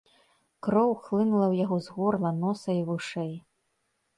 Кроў хлынула ў яго з горла, носа і вушэй.